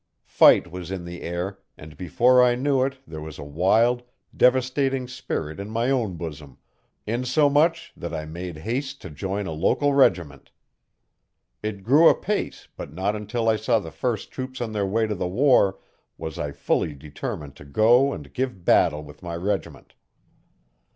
Fight was in the air and before I knew it there was a wild, devastating spirit in my own bosom, insomuch that I made haste to join a local regiment. It grew apace but not until I saw the first troops on their way to the war was I fully determined to go and give battle with my regiment.